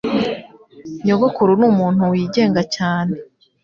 Nyogokuru ni umuntu wigenga cyane.